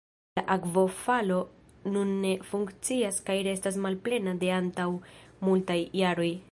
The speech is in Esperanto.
La akvofalo nun ne funkcias kaj restas malplena de antaŭ multaj jaroj.